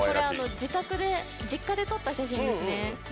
自宅で実家で撮った写真ですね。